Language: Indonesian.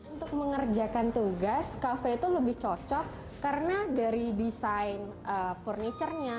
untuk mengerjakan tugas kafe itu lebih cocok karena dari desain furniture nya